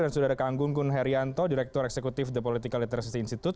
dan sudah ada kang gunggun herianto direktur eksekutif the political literacy institute